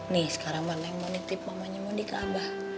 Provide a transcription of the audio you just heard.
nih sekarang mah neng mau nitip mamanya monly ke abah